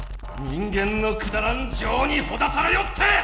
人間のくだらん情にほだされおって！